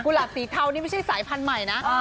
หลาบสีเทานี่ไม่ใช่สายพันธุ์ใหม่นะ